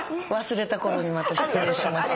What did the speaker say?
忘れた頃にまた失礼します。